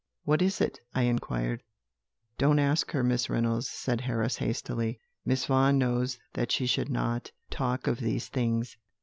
"'What is it?' I inquired. "'Don't ask her, Miss Reynolds,' said Harris hastily; 'Miss Vaughan knows that she should not talk of these things.'